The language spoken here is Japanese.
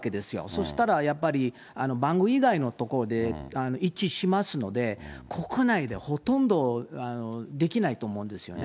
そしたらやっぱり、番号以外のところで一致しますので、国内でほとんどできないと思うんですよね。